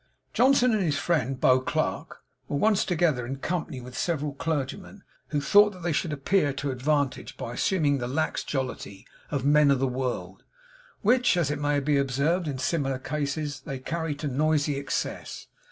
Johnson and his friend, Beauclerk, were once together in company with several clergymen, who thought that they should appear to advantage, by assuming the lax jollity of men of the world; which, as it may be observed in similar cases, they carried to noisy excess.